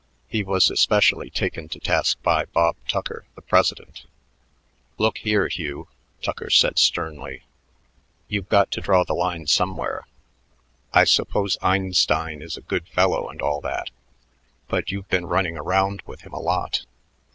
He was especially taken to task by Bob Tucker, the president. "Look here, Hugh," Tucker said sternly, "you've got to draw the line somewhere. I suppose Einstein is a good fellow and all that, but you've been running around with him a lot.